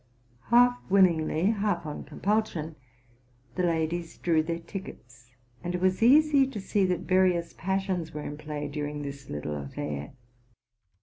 '' Half w illingly, half on compulsion, the ladies drew their tickets ; and it was easy to see that various passions were in play during this little affair.